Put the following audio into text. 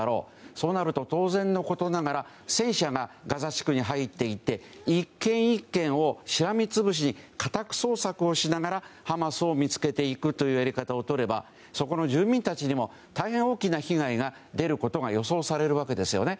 そうなると当然のことながら戦車がガザ地区に入っていって１軒１軒をしらみつぶしに家宅捜索をしながらハマスを見つけていくというやり方をとればそこの住民たちにも大変大きな被害が予想されるわけですよね。